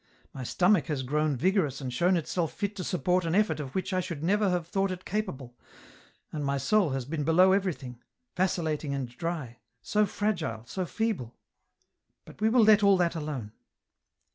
" My stomach has grown vigorous and shown itself fit to support an effort of which I should never have thought it capable, and my soul has been below everything, vacillating and dry, so fragile, so feeble !" But we will let all that alone."